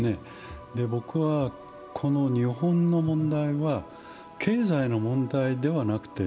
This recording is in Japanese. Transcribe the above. この日本の問題は、経済の問題ではなくて